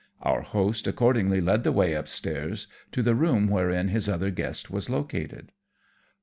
Our host accordingly led the way upstairs to the room wherein his other guest was located.